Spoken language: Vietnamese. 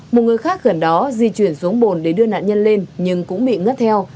một người khác gần đó di chuyển xuống bồn để đưa nạn nhân lên nhưng cũng bị ngất theo